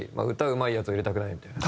うまいヤツを入れたくないみたいな。